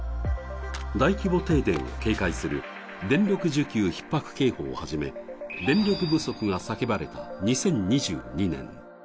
大規模停電を警戒する電力需給ひっ迫警報をはじめ、電力不足が叫ばれた２０２２年。